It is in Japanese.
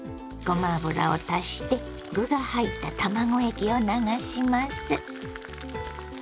ごま油を足して具が入った卵液を流します。